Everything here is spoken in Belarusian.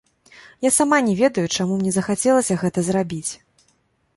Я сама не ведаю, чаму мне захацелася гэта зрабіць.